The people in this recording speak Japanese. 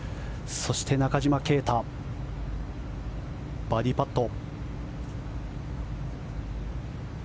そして、中島啓太バーディーパット。